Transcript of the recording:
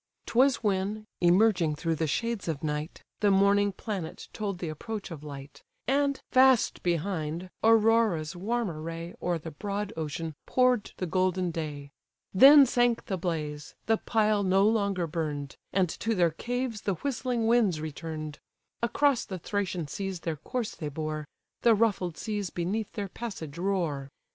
'Twas when, emerging through the shades of night, The morning planet told the approach of light; And, fast behind, Aurora's warmer ray O'er the broad ocean pour'd the golden day: Then sank the blaze, the pile no longer burn'd, And to their caves the whistling winds return'd: Across the Thracian seas their course they bore; The ruffled seas beneath their passage roar.